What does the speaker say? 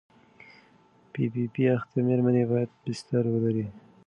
پي پي پي اخته مېرمنې باید بستر ولري.